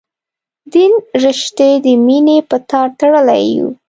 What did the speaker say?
دین رشتې د مینې په تار تړلي یو.